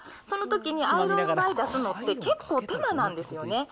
そのときにアイロン台出すのって、結構、手間なんですよね。